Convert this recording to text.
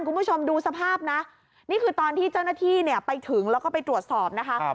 คุณผู้ชมดูสภาพนะนี่คือตอนที่เจ้าหน้าที่เนี่ยไปถึงแล้วก็ไปตรวจสอบนะคะ